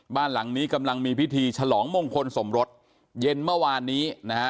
บ้านหลังนี้กำลังมีพิธีฉลองมงคลสมรสเย็นเมื่อวานนี้นะฮะ